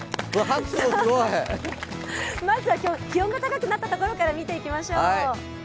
まずは今日、気温が高くなった所から見ていきましょう。